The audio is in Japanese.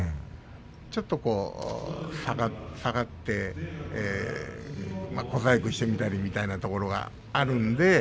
ちょっと下がって小細工してみたりというようなところがあるんですね